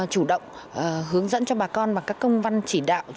chủ động hướng dẫn cho bà con bằng các công văn chỉ đạo